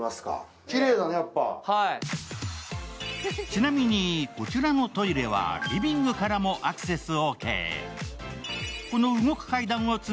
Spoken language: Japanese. ちなみにこちらのトイレはリビングからもアクセスＯＫ。